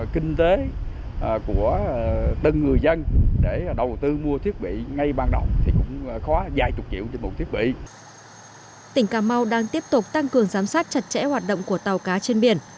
tỉnh cà mau đang tiếp tục tăng cường giám sát chặt chẽ hoạt động của tàu cá trên biển